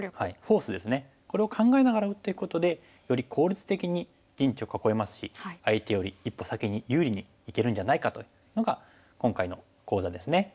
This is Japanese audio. これを考えながら打っていくことでより効率的に陣地を囲えますし相手より一歩先に有利にいけるんじゃないかというのが今回の講座ですね。